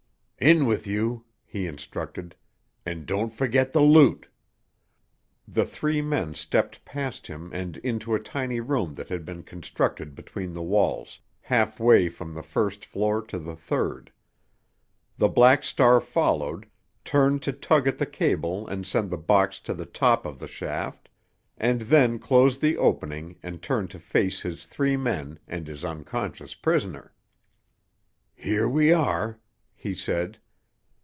"In with you," he instructed, "and don't forget the loot." The three men stepped past him and into a tiny room that had been constructed between the walls, halfway from the first floor to the third. The Black Star followed, turned to tug at the cable and send the box on to the top of the shaft, and then closed the opening and turned to face his three men and his unconscious prisoner. "Here we are!" he said.